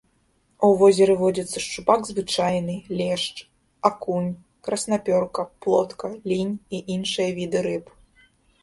У возеры водзяцца шчупак звычайны, лешч, акунь, краснапёрка, плотка, лінь і іншыя віды рыб.